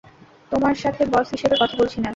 তোমার সাথে বস হিসেবে কথা বলছি না।